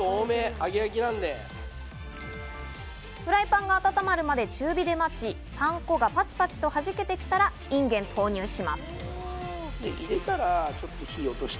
フライパンが温まるまで中火で待ち、パン粉がパチパチとはじけてきたら、インゲンを投入します。